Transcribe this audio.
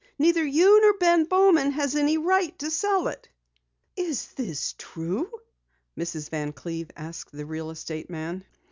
Neither you nor Ben Bowman has any right to sell it!" "This isn't true?" Mrs. Van Cleve asked the real estate man.